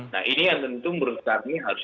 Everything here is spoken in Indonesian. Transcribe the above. nah ini yang tentu menurut kami harus